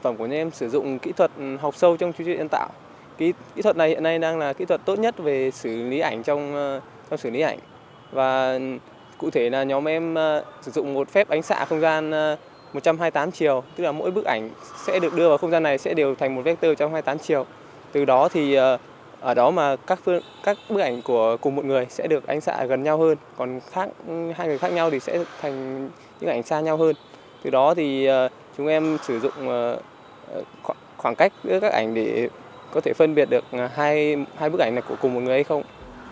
những ảnh xa nhau hơn từ đó thì chúng em sử dụng khoảng cách với các ảnh để có thể phân biệt được hai bức ảnh này của cùng một người hay không